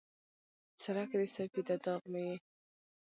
څرک د سپیده داغ مې یې